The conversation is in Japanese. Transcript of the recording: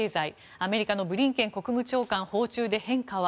アメリカのブリンケン国務長官訪中で変化は？